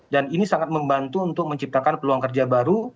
dan ini sangat membantu untuk menciptakan peluang kerja baru